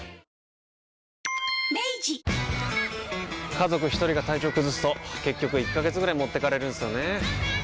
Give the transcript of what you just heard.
家族一人が体調崩すと結局１ヶ月ぐらい持ってかれるんすよねー。